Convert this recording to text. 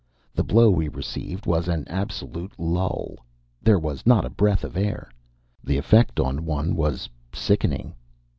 The blow we received was an absolute lull. There was not a breath of air. The effect on one was sickening.